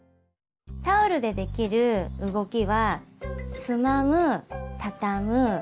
タオルでできる動きは「つまむ」「たたむ」